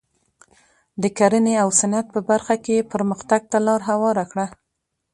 د کرنې او صنعت په برخه کې یې پرمختګ ته لار هواره کړه.